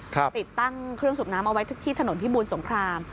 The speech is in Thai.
ติดตั้งเครื่องสูบน้ำเอาไว้ที่ถนนพิบูรสงคราม